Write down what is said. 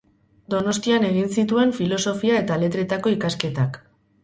Donostian egin zituen Filosofia eta Letretako ikasketak.